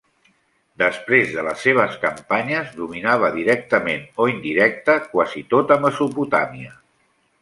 Després de les seves campanyes dominava directament o indirecta quasi tota Mesopotàmia.